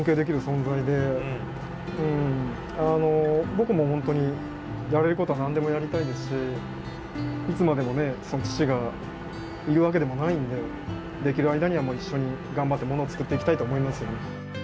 僕も本当にやれることは何でもやりたいですしいつまでもね父がいるわけでもないんでできる間にはもう一緒に頑張ってものを作っていきたいと思いますよね。